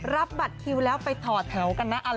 รับบัตรคิวแล้วไปถอดแถวกันนะ